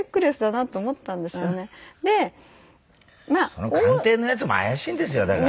その鑑定のやつも怪しいんですよだから。